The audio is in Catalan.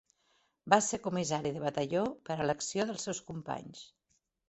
Va ser comissari de batalló per elecció dels seus companys.